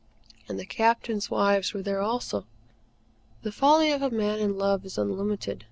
And the Captains' wives were there also. The folly of a man in love is unlimited.